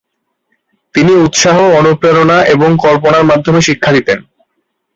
তিনি উৎসাহ, অনুপ্রেরণা এবং কল্পনার মাধ্যমে শিক্ষা দিতেন।